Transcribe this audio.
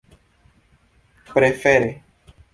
prefere